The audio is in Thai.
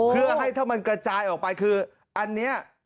เพื่อให้ถ้ามันกระจายออกไปคืออันนี้